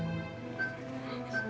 dia sudah berakhir